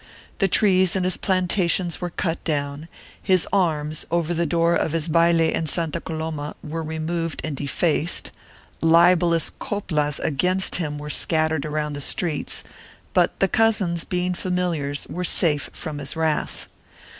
The trees in his plantations were cut down, his arms, over the door of his bayle in Santa Coloma, were removed and defaced, libellous coplas against him were scattered around the streets, but the cousins, being famil iars, were safe from his wrath.